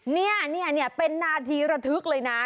นี่เป็นนาทีระทึกเลยนะ